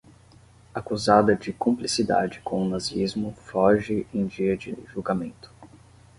Acusada de cumplicidade com o nazismo foge em dia de julgamento